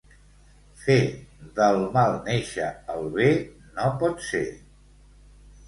Fer del mal néixer el bé, no pot ser.